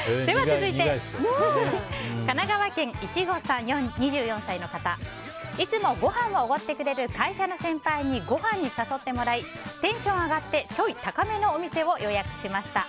続いて、神奈川県の２４歳の方。いつもごはんをおごってくれる会社の先輩にごはんに誘ってもらいテンション上がってちょい高めのお店を予約しました。